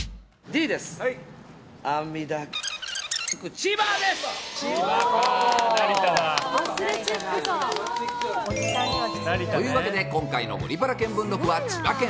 千葉です！というわけで今回の「ゴリパラ見聞録」は千葉県。